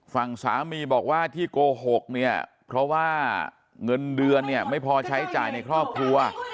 ฝั่งสามีบอกว่าที่โกหกเนี่ยเพราะว่าเงินเดือนเนี่ยไม่พอใช้จ่ายในครอบครัว